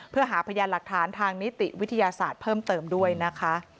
เพื่อหาพยานหลักฐานทางนิติวิทยาศาสตร์เพิ่มเติมด้วยนะคะ